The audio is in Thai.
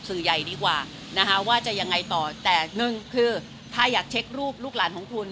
สื่อใหญ่ดีกว่านะคะว่าจะยังไงต่อแต่หนึ่งคือถ้าอยากเช็ครูปลูกหลานของคุณ